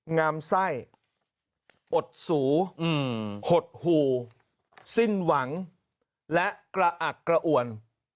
งามไส้อดสูหดหู่สิ้นหวังและกระอักกระอ่วน